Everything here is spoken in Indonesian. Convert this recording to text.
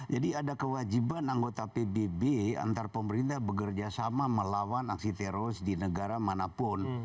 jadi ada kewajiban anggota pbb antar pemerintah bekerjasama melawan aksi teroris di negara manapun